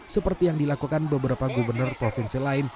seperti yang dilakukan beberapa gubernur provinsi lain